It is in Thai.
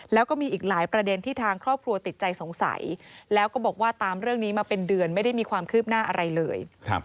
แล้วก็มีอีกหลายประเด็นที่ทางครอบครัวติดใจสงสัยแล้วก็บอกว่าตามเรื่องนี้มาเป็นเดือนไม่ได้มีความคืบหน้าอะไรเลย